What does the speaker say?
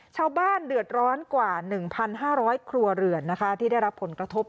ชาวบ้านเดือดร้อนกว่า๑๕๐๐ครัวเรือนที่ได้รับผลกระทบ